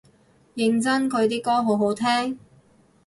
認真佢啲歌好好聽？